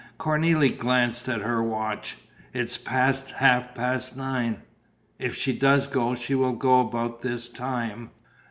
Cornélie glanced at her watch: "It's past half past nine. If she does go, she will go about this time."